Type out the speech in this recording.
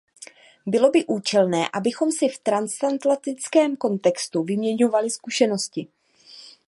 Bylo by účelné, abychom si v transatlantickém kontextu vyměňovali zkušenosti.